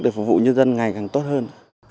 để phục vụ nhân dân ngày càng tốt hơn